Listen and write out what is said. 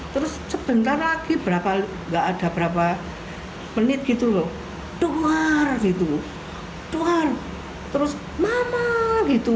terus sebentar lagi berapa enggak ada berapa menit gitu loh dengar gitu tuhan terus mana gitu